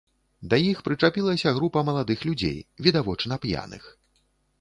Да іх прычапілася група маладых людзей, відавочна, п'яных.